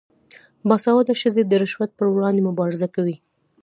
باسواده ښځې د رشوت پر وړاندې مبارزه کوي.